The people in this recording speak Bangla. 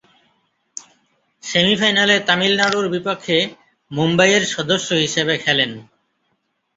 সেমি-ফাইনালে তামিলনাড়ুর বিপক্ষে মুম্বইয়ের সদস্য হিসেবে খেলেন।